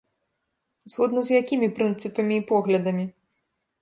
Згодна з якімі прынцыпамі і поглядамі?